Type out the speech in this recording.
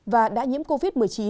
và đã nhiễm covid một mươi chín